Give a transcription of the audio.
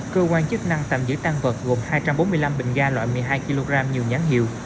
cơ quan chức năng tạm giữ tăng vật gồm hai trăm bốn mươi năm bình ga loại một mươi hai kg nhiều nhãn hiệu